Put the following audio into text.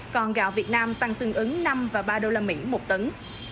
còn gạo việt nam tăng tương ứng năm và ba đô la mỹ một tấn